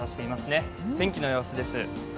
天気の様子です。